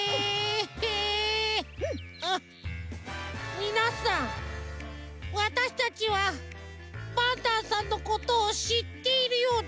みなさんわたしたちはパンタンさんのことをしっているようでしらない。